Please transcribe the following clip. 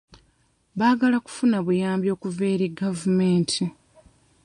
Baagala kufuna buyambi okuva eri gavumenti.